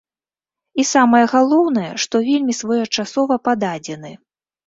І самае галоўнае, што вельмі своечасова пададзены.